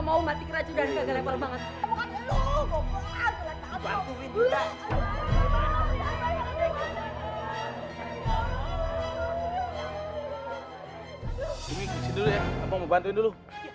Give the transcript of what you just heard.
mau muntah muntah dulu